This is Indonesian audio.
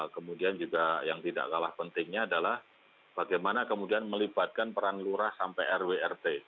kemudian juga yang tidak kalah pentingnya adalah bagaimana kemudian melibatkan peran lurah sampai rw rt